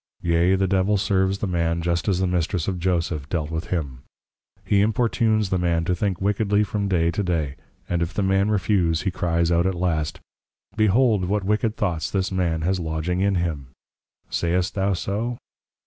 _ Yea, the Devil serves the man just as the Mistress of Joseph dealt with him; he importunes the man to think wickedly from Day to Day; and if the man refuse, he cries out at last, Behold, what wicked thoughts this man has lodging in him. Sayst thou so?